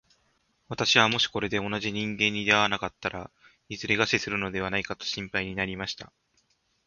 私はもしこれで同じ人間に出会わなかったら、いずれ餓死するのではないかと心配になりました。